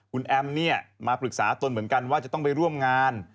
คุณแอมเนี่ยมาปรึกษาตนเหมือนกันว่าจะต้องไปร่วมงาน